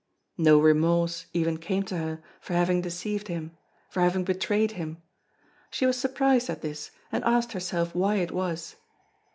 No remorse even came to her for having deceived him, for having betrayed him. She was surprised at this, and asked herself why it was.